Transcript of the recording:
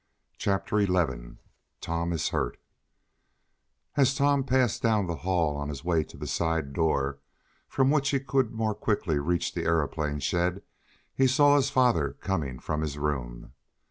Chapter Eleven Tom Is Hurt As Tom passed down the hall on his way to the side door, from which he could more quickly reach the aeroplane shed, he saw his father coming from his room.